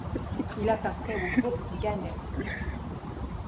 Il appartient au groupe Gannett.